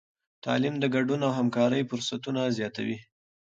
تعلیم د ګډون او همکارۍ فرصتونه زیاتوي.